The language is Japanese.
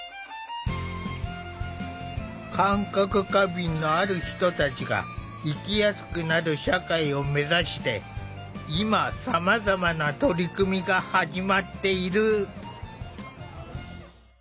感覚過敏のある人たちが生きやすくなる社会をめざして今さまざまな取り組みが始まっている。